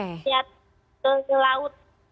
lihat ke laut